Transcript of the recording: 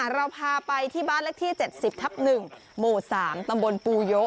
เดาออกมั้ย